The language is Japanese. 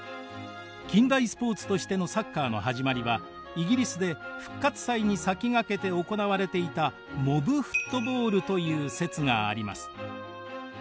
近代スポーツとしてのサッカーの始まりはイギリスで復活祭に先駆けて行われていたモブフットボールという説があります。